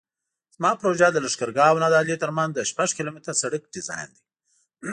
زما پروژه د لښکرګاه او نادعلي ترمنځ د شپږ کیلومتره سرک ډیزاین دی